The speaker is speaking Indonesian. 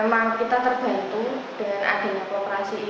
memang kita terbantu dengan adilnya koperasi ini